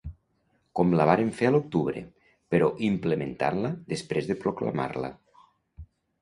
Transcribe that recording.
Com la vàrem fer a l’octubre, però implementant-la després de proclamar-la.